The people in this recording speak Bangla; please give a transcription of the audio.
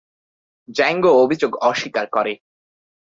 জ্যাঙ্গো অভিযোগ অস্বীকার করে।